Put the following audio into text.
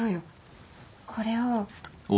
これを。